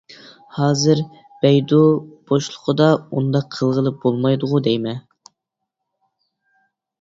ھازىر بەيدۇ بوشلۇقىدا ئۇنداق قىلغىلى بولمايدىغۇ دەيمەن.